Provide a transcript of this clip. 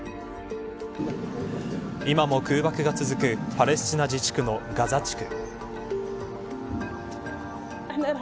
今も空爆が続くパレスチナ自治区のガザ地区。